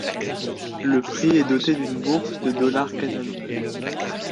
Le prix est doté d'une bourse de dollars canadiens.